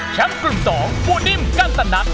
แชมป์กลุ่ม๒ผู้ดิ้มกันตะนัก